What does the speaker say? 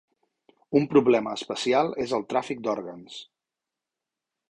Un problema especial és el tràfic d'òrgans.